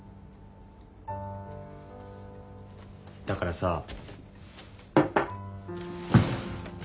だからさ。